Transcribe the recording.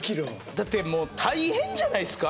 だってもう大変じゃないすか？